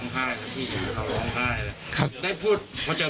แม่มากอดเลยครับ